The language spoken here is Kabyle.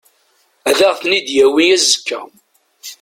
Ad aɣ-ten-id-yawi azekka.